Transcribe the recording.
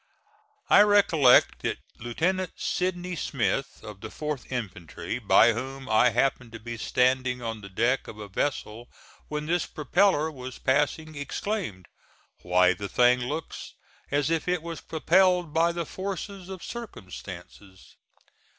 I recollect that Lieutenant Sidney Smith, of the 4th infantry, by whom I happened to be standing on the deck of a vessel when this propeller was passing, exclaimed, "Why, the thing looks as if it was propelled by the force of circumstances."